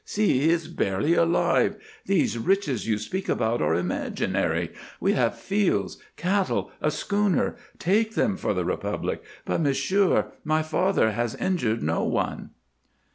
See! He is barely alive. These riches you speak about are imaginary. We have fields, cattle, a schooner; take them for the Republic, but, monsieur, my father has injured no one."